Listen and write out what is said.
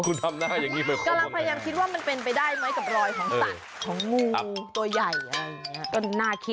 กำลังพยายามคิดว่ามันเป็นไปได้ไหมกับรอยของสัตว์ของงูตัวใหญ่อะไรอย่างนี้